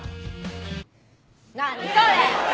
何それ？